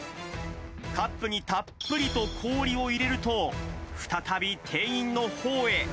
カップにたっぷりと氷を入れると、再び店員のほうへ。